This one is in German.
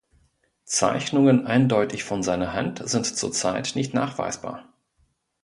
Zeichnungen eindeutig von seiner Hand sind zurzeit nicht nachweisbar.